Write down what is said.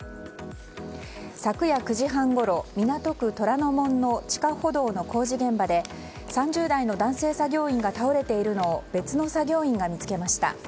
昨夜９時半ごろ港区虎ノ門の地下歩道の工事現場で３０代の男性作業員が倒れているのを別の作業員が見つけました。